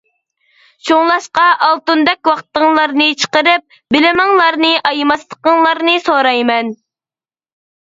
شۇڭلاشقا ئالتۇندەك ۋاقتىڭلارنى چىقىرىپ، بىلىمىڭلارنى ئايىماسلىقىڭلارنى سورايمەن.